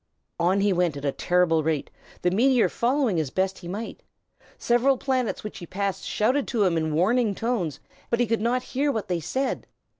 On he went at a terrible rate, the meteor following as best he might. Several planets which he passed shouted to him in warning tones, but he could not hear what they said.